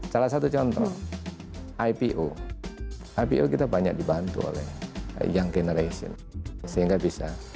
salah satu contoh ipo ipo kita banyak dibantu oleh young generation sehingga bisa